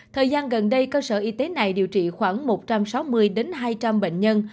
thời gian gần đây cơ sở y tế này điều trị khoảng một trăm sáu mươi hai trăm linh bệnh nhân